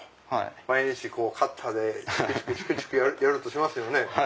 毎日カッターでチクチクやるとしますよね。